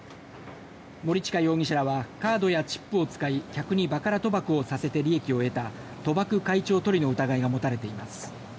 森近容疑者はカードやチップを使い客にバカラ賭博をさせて利益を得た賭博開帳図利の疑いが持たれています。